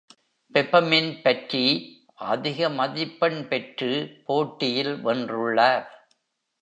Peppermint Patty அதிக மதிப்பெண் பெற்று, போட்டியில் வென்றுள்ளார்.